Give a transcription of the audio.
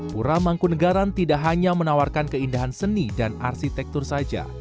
pura mangkunegaran tidak hanya menawarkan keindahan seni dan arsitektur saja